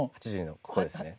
８２のここですね。